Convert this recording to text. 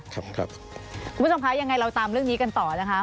คุณผู้ชมคะยังไงเราตามเรื่องนี้กันต่อนะคะ